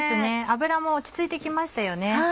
油も落ち着いて来ましたよね。